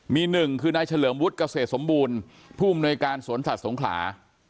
มี๑น้ายเฉลิมบุรุษเกษตรสมบูรณ์ผู้มนุยการสวนสัตว์สงขา